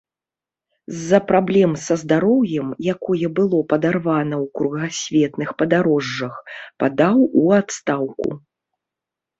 З-за праблем са здароўем, якое было падарвана ў кругасветных падарожжах, падаў у адстаўку.